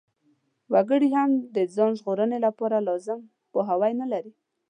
وګړي هم د ځان ژغورنې لپاره لازم پوهاوی نلري.